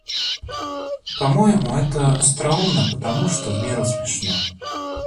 По-моему, это остроумно, потому что в меру смешно.